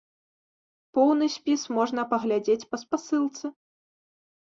Поўны спіс можна паглядзець па спасылцы.